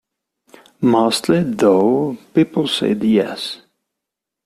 Mostly though, people said yes.